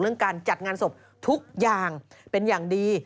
การจัดงานศพทุกอย่างเป็นอย่างดี